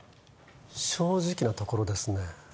正直なところですね